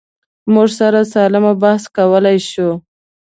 موږ سره سالم بحث کولی شو.